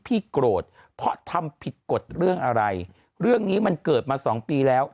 พี่โกรธเพราะทำผิดกฎเรื่องอะไรเรื่องนี้มันเกิดมาสองปีแล้ว